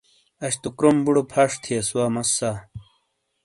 اش تو کروم بُڑو پھش تھیئس وا مسّا۔